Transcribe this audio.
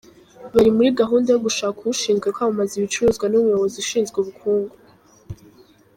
Bari muri gahunda yo gushaka ushinzwe kwamamaza ibicuruzwa n’umuyobozi ushinzwe ubukungu.